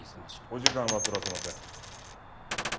お時間は取らせません。